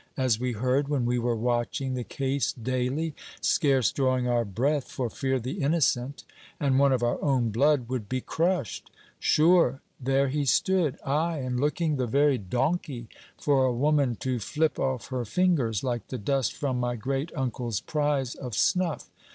as we heard when we were watching the case daily, scarce drawing our breath for fear the innocent and one of our own blood, would be crushed. Sure, there he stood; ay, and looking the very donkey for a woman to flip off her fingers, like the dust from my great uncle's prise of snuff!